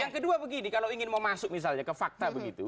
yang kedua begini kalau ingin mau masuk misalnya ke fakta begitu